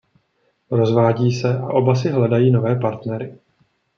Rozvádí se a oba si hledají nové partnery.